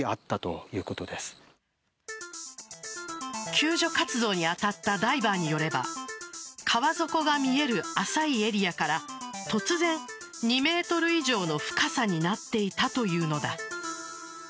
救助活動に当たったダイバーによれば川底が見える浅いエリアから突然、２ｍ以上の深さになっていたというのだ。